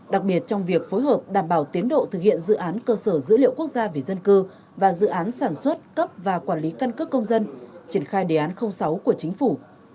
đặc biệt trong việc phối hợp đảm bảo tiến độ thực hiện dự án cơ sở dữ liệu quốc gia về dân cư và dự án sản xuất cấp và quản lý căn cước công dân triển khai đề án sáu của chính phủ